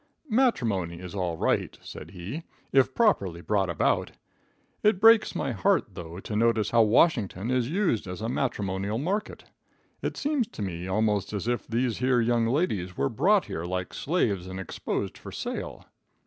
"Matrimony is all right," said he, "if properly brought about. It breaks my heart, though, to notice how Washington is used as a matrimonial market. It seems to me almost as if these here young ladies were brought here like slaves and exposed for sale."